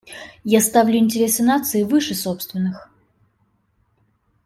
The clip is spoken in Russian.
Я ставлю интересы нации выше собственных.